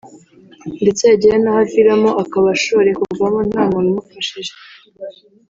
ndetse yagera n’ aho aviramo akaba ashore kuvamo nta muntu umufashije”